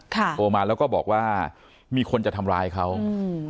โทรมาแล้วก็บอกว่ามีคนจะทำร้ายเขาอืม